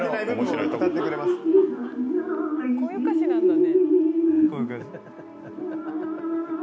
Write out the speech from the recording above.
こういう歌詞なんだね。